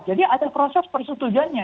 jadi ada proses persetujuannya